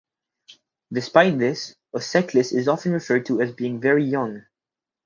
Despite this, Auseklis is often referred to as being very young.